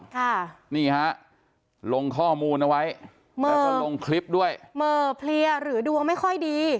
ค่ะนี่ฮะลงข้อมูลเอาไว้แล้วก็ลงคลิปด้วยเหม่อเพลียหรือดวงไม่ค่อยดี